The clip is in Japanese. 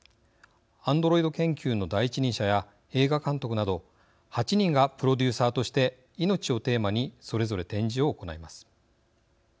アンドロイド研究の第一人者や映画監督など８人がプロデューサーとして命をテーマにそれぞれ展示を行います。